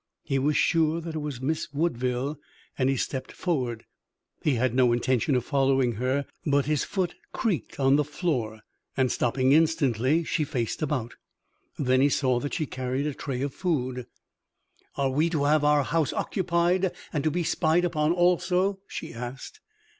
He was sure that it was Miss Woodville and he stepped forward. He had no intention of following her, but his foot creaked on the floor, and, stopping instantly, she faced about. Then he saw that she carried a tray of food. "Are we to have our house occupied and to be spied upon also?" she asked.